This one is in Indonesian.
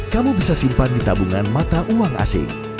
kamu bisa simpan di tabungan mata uang ac